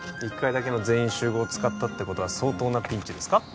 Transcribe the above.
一回だけの全員集合使ったってことは相当なピンチですか？